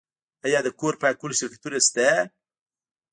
آیا د کور پاکولو شرکتونه شته؟